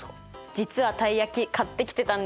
実はたい焼き買ってきてたんですよ。